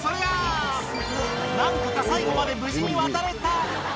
なんとか最後まで無事に渡れた。